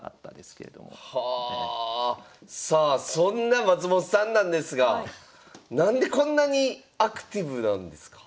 さあそんな松本さんなんですが何でこんなにアクティブなんですか？